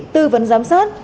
tư vấn giám sát